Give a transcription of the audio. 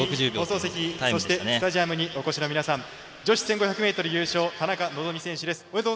放送席、そしてスタジアムにお越しの皆さん女子１５００ｍ優勝の田中希実選手です。